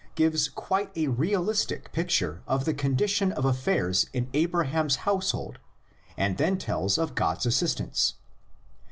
gives quite a realistic picture of the condition of affairs in Abra ham's household and then tells of God's assistance.